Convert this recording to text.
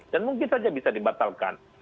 dan mungkin saja bisa dibatalkan